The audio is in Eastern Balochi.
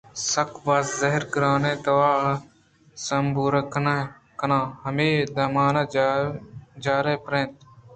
سکّ باز زہرگران ءَ دوا ءُ زمبور کنان ہمے دمانءَجار ے پِرّینت